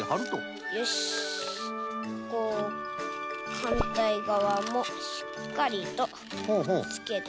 はんたいがわもしっかりとつけて。